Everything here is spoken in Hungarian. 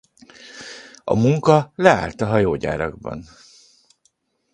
A munka leállt a hajógyárakban.